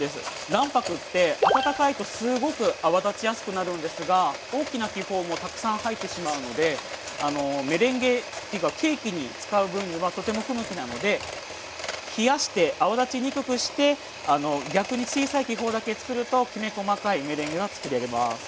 卵白って温かいとすごく泡立ちやすくなるんですが大きな気泡もたくさん入ってしまうのでメレンゲっていうかケーキに使う分にはとても不向きなので冷やして泡立ちにくくして逆に小さい気泡だけ作るときめ細かいメレンゲが作れます。